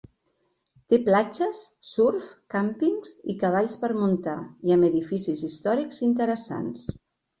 Té platges, surf, càmpings i cavalls per muntar i amb edificis històrics interessants.